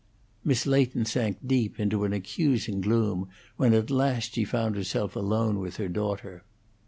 Mrs. Leighton sank deep into an accusing gloom when at last she found herself alone with her daughter.